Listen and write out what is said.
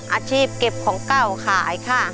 อาชีพเก็บของเก่าขายค่ะ